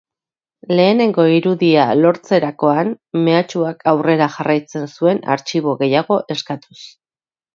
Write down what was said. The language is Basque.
Lehenengo irudia lortzerakoan, mehatxuak aurrera jarraitzen zuen artxibo gehiago eskatuz.